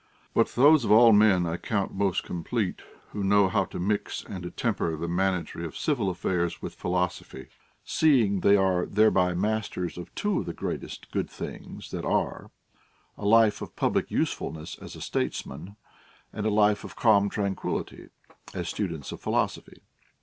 But those of all men I count most com plete, who know how to mix and temper the managery of civil affairs with philosophy ; seeing they are thereby masters of two of the greatest good things that are, — a life of public usefulness as statesmen, and a life of calm tran quillity as students of philosophy.